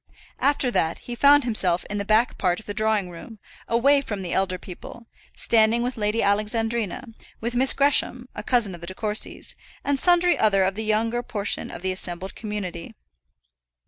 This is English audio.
After that, he found himself in the back part of the drawing room, away from the elder people, standing with Lady Alexandrina, with Miss Gresham, a cousin of the De Courcys, and sundry other of the younger portion of the assembled community.